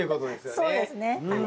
そうですねはい。